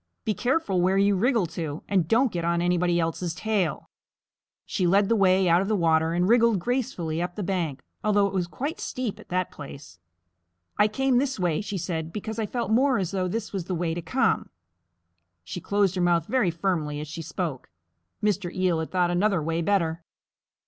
Be careful where you wriggle to, and don't get on anybody else's tail." She led the way out of the water and wriggled gracefully up the bank, although it was quite steep at that place. "I came this way," she said, "because I felt more as though this was the way to come." She closed her mouth very firmly as she spoke. Mr. Eel had thought another way better.